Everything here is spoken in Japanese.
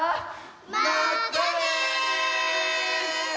まったね！